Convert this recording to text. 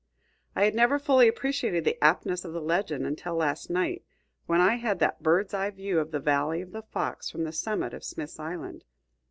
I had never fully appreciated the aptness of the legend until last night, when I had that bird's eye view of the valley of the Fox from the summit of Smith's Island.